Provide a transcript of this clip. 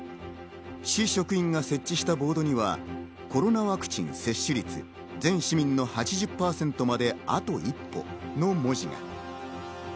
市職員が設置したボードには、コロナワクチン接種率、全市民の８０％まであと一歩！の文字が。